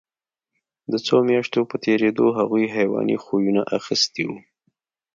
د څو میاشتو په تېرېدو هغوی حیواني خویونه اخیستي وو